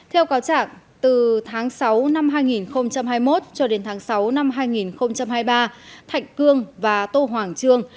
theo cáo trạng từ tháng sáu năm hai nghìn hai mươi một cho đến tháng sáu năm hai nghìn hai mươi ba thạch cương và tô hoàng trương